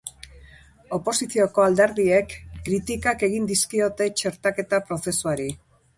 Oposizioko alderdiek kritikak egin dizkiote txertaketa prozesuari.